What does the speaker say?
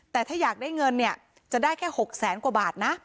แต่ถ้าอยากได้เงินเนี่ยจะได้แค่๖แสนกว่าบาทนะ